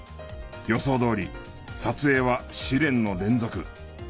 予想どおり撮影は試練の連続。